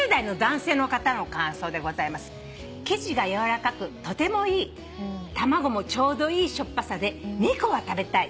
「生地が軟らかくとてもいい」「卵もちょうどいいしょっぱさで２個は食べたい。